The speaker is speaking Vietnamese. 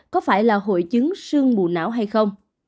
có phải là hội chứng sương mù não hay không